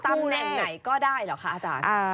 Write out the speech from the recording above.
ตำแหน่งไหนก็ได้เหรอคะอาจารย์